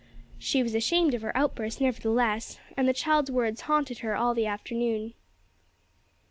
She was ashamed of her outburst nevertheless, and the child's words haunted her all the afternoon.